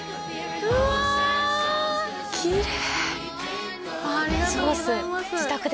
うわきれい！